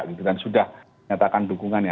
dan sudah menyatakan dukungan ya